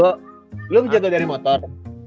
lo bergiat dari motor